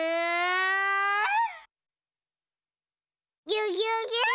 ぎゅぎゅぎゅん。